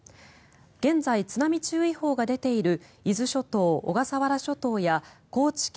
現在、津波注意報が出ている伊豆諸島、小笠原諸島や高知県